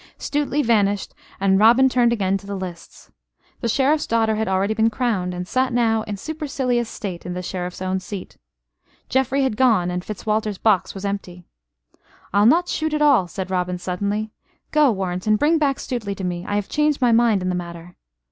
Stuteley vanished, and Robin turned again to the lists. The Sheriff's daughter had already been crowned, and sat now in supercilious state in the Sheriff's own seat. Geoffrey had gone, and Fitzwalter's box was empty. "I'll not shoot at all," said Robin, suddenly. "Go, Warrenton, bring back Stuteley to me. I have changed my mind in the matter."